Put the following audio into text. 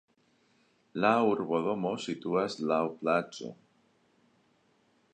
La urbodomo situas laŭ placo.